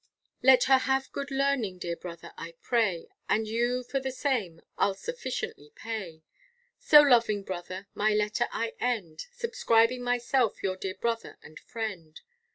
Let her have good learning, dear brother, I pray, And you for the same I'll sufficiently pay; So loving brother, my letter I end, Subscribing myself your dear brother and friend.